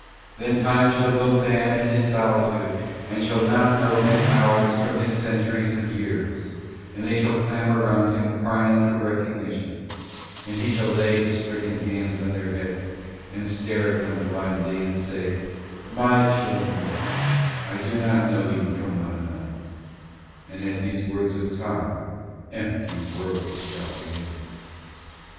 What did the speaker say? Then Time shall go mad in his solitude and shall not know his hours from his centuries of years and they shall clamour round him crying for recognition and he shall lay his stricken hands on their heads and stare at them blindly and say, 'My children, I do not know you one from another,' and at these words of Time empty worlds shall reel."